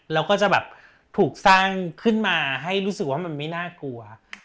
แล้วก็จะแบบถูกสร้างขึ้นมาให้รู้สึกว่ามันไม่น่ากลัว